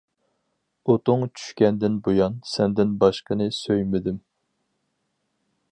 ئۇتۇڭ چۈشكەندىن بۇيان، سەندىن باشقىنى سۆيمىدىم.